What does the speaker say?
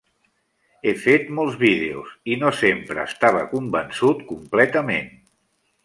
He fet molts vídeos i no sempre estava convençut completament.